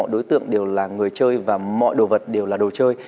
đối tượng đều là người chơi và mọi đồ vật đều là đồ chơi